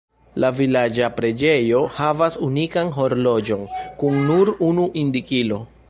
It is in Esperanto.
La vilaĝa preĝejo havas unikan horloĝon kun nur unu indikilo.